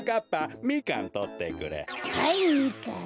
はいみかん。